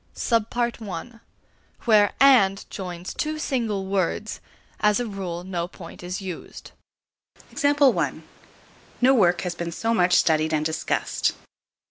AND. (a) Where "and" joins two single words, as a rule no point is used. No work has been so much studied and discussed.